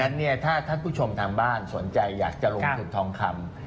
เนี่ยถ้าท่านผู้ชมทางบ้านสนใจอยากจะลงทุนทองคำ